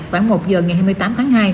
khoảng một giờ ngày hai mươi tám tháng hai